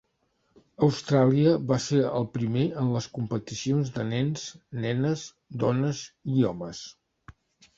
Austràlia va ser el primer en les competicions de nens, nenes, dones i homes.